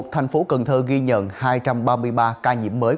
thành phố cần thơ ghi nhận hai trăm ba mươi ba ca nhiễm mới